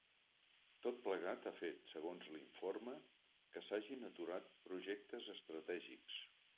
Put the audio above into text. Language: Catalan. Tot plegat ha fet, segons l’informe, que s’hagin aturat projectes estratègics.